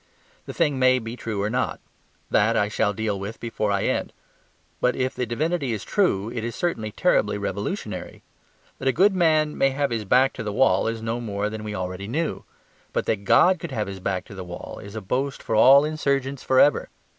The thing may be true or not; that I shall deal with before I end. But if the divinity is true it is certainly terribly revolutionary. That a good man may have his back to the wall is no more than we knew already; but that God could have his back to the wall is a boast for all insurgents for ever.